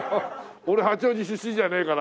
俺八王子出身じゃねえから。